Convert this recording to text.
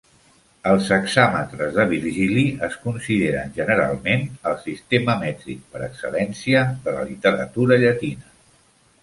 Els hexàmetres de Virgili es consideren generalment el sistema mètric per excel·lència de la literatura llatina.